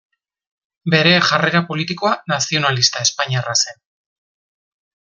Bere jarrera politikoa nazionalista espainiarra zen.